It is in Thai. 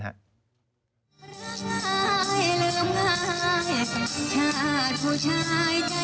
อื้อ